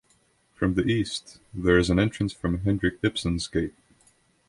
From the east, there is an entrance from Henrik Ibsens gate.